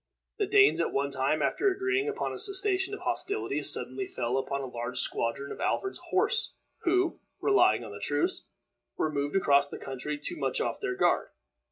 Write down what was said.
The Danes, at one time, after agreeing upon a cessation of hostilities, suddenly fell upon a large squadron of Alfred's horse, who, relying on the truce, were moving across the country too much off their guard.